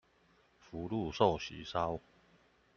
福祿壽喜燒